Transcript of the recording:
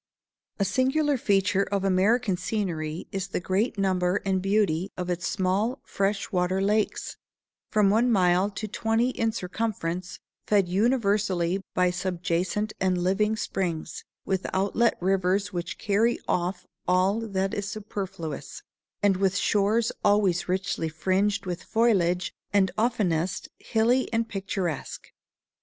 A singular feature of American scenery is the great number and beauty of its small fresh water lakes, from one mile to twenty in circumference, fed universally by subjacent and living springs, with outlet rivers which carry off all that is superfluous, and with shores always richly fringed with foliage, and oftenest hilly and picturesque.